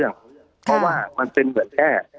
เพราะว่ามันเป็นเหมือนแค่